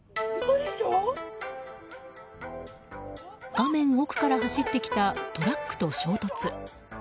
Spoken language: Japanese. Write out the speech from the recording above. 画面奥から走ってきたトラックと衝突。